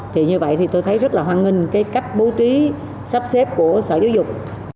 thì như vậy thì tôi thấy rất là hoan nghênh cái cách bố trí sắp xếp của sở giáo dục